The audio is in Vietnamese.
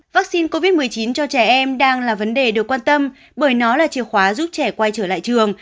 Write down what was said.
vaccine covid một mươi chín cho trẻ em đang là vấn đề được quan tâm bởi nó là chìa khóa giúp trẻ quay trở lại trường